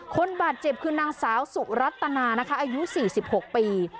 คนบาดเจ็บคือนางสาวสุรัตนานะคะอายุ๔๖ปี